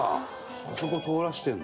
あそこ通らせてるんだ！